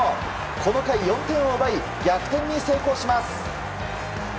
この回、４点を奪い逆転に成功します。